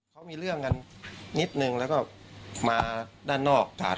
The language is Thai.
เขามีเรื่องกันนิดนึงแล้วก็มาด้านนอกถาด